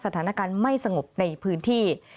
สถานการณ์ไม่สงบในพื้นที่